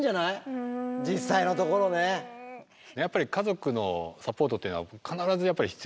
やっぱり家族のサポートっていうのは必ず必要ですね。